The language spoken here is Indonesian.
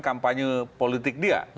kampanye politik dia